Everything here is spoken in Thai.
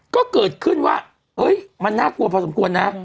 ก็เกิดขึ้นว่ามันน่ากลัวพอสมควรนะ